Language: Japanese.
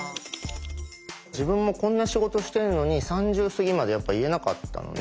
自分もこんな仕事してるのに３０すぎまでやっぱ言えなかったのね。